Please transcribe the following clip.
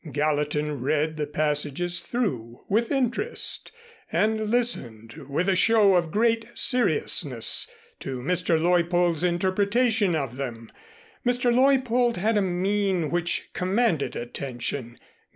Gallatin read the passages through with interest and listened with a show of great seriousness to Mr. Leuppold's interpretation of them. Mr. Leuppold had a mien which commanded attention.